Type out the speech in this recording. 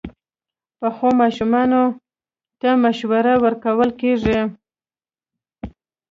پخو ماشومانو ته مشوره ورکول کېږي